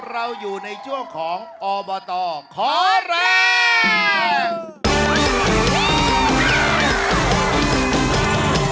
เราอยู่ในจุดของออบอตอร์ขอแรก